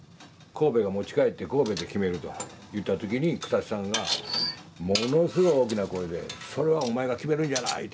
神戸が持ち帰って神戸で決めると言った時に草地さんがものすごい大きな声でそれはお前が決めるんじゃない！